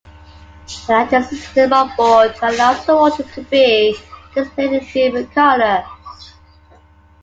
A lighting system on-board allows the water to be displayed in different colors.